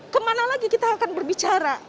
kemana lagi kita akan berbicara